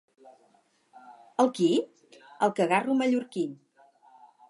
El qui? —El cagarro mallorquí.